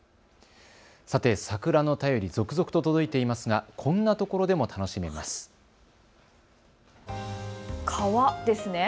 さて桜の便り、続々と届いていますがこんなところでも楽しめます。